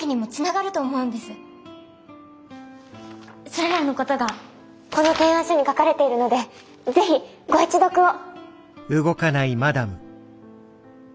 それらのことがこの提案書に書かれているのでぜひご一読を。